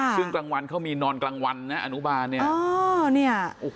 ซึ่งกลางวันเขามีนอนกลางวันนะอนุบาลเนี่ย